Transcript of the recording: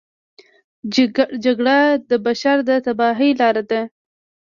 جګړه د بشر د تباهۍ لاره ده